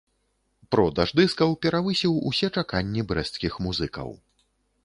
Продаж дыскаў перавысіў усе чаканні брэсцкіх музыкаў.